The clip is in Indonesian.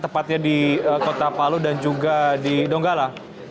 tepatnya di kota palu dan juga di donggala